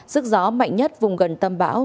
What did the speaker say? sức gió mạnh nhất vùng gần tâm bão